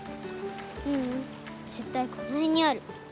ううん絶対この辺にある。